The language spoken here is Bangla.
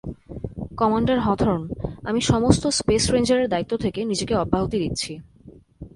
কমান্ডার হথর্ন, আমি সমস্ত স্পেস রেঞ্জারের দায়িত্ব থেকে নিজেকে অব্যাহতি দিচ্ছি।